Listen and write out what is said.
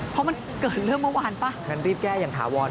เพราะมันเกิดเรื่องเมื่อวานป่ะงั้นรีบแก้อย่างถาวร